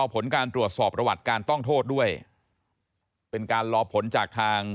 ผลการตรวจสอบประวัติการต้องโทษด้วยเป็นการรอผลจากทาง